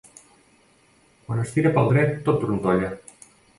Quan es tira pel dret, tot trontolla.